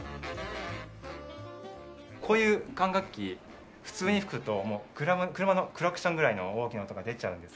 こういう管楽器普通に吹くと車のクラクションぐらいの大きな音が出ちゃうんです。